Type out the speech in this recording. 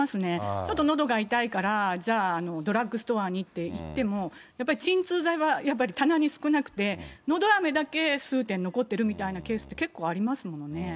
ちょっとのどが痛いから、じゃあ、ドラッグストアに行っても、やっぱり鎮痛剤はやっぱり棚に少なくて、のどあめだけ、数点残ってるみたいなケースって結構ありますものね。